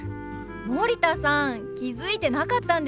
森田さん気付いてなかったんですか？